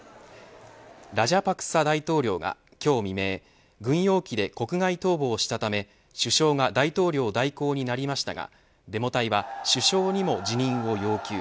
ラジャパクサ大統領が今日未明軍用機で国外逃亡したため首相が大統領代行になりましたがデモ隊は、首相にも辞任を要求。